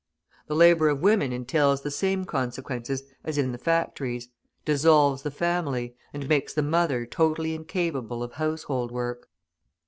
The labour of women entails the same consequences as in the factories, dissolves the family, and makes the mother totally incapable of household work.